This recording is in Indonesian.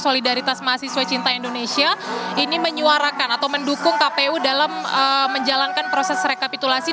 solidaritas mahasiswa cinta indonesia ini menyuarakan atau mendukung kpu dalam menjalankan proses rekapitulasi